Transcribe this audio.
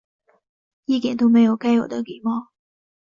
一点都没有该有的礼貌